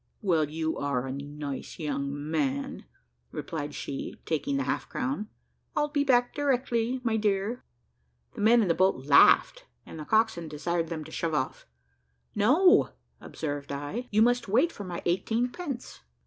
"Well you are a nice young man," replied she, taking the half crown; "I'll be back directly, my dear." The men in the boat laughed, and the coxswain desired them to shove off. "No," observed I, "you must wait for my eighteen pence."